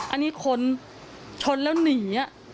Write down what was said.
อันนี้คนชนแล้วหนี